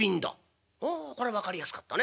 「ああこれ分かりやすかったね。